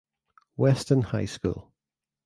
Weston High School.